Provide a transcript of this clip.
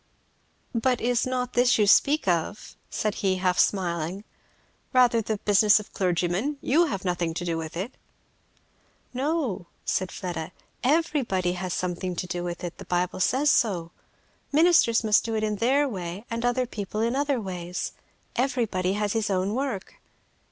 "But is not this you speak of," said he, half smiling, "rather the business of clergymen? you have nothing to do with it?" "No," said Fleda, "everybody has something to do with it, the Bible says so; ministers must do it in their way and other people in other ways; everybody has his own work.